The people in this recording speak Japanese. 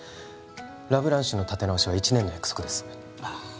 ラ・ブランシュの立て直しは１年の約束です